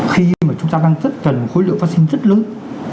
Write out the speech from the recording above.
khi mà chúng ta đang rất cần khối lượng vắc xin rất lớn